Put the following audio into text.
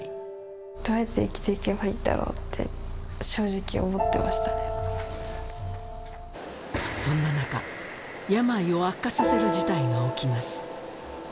どうやって生きていけばいいそんな中、病を悪化させる事態が起きます。